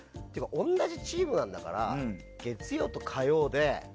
同じチームなんだから月曜と火曜で。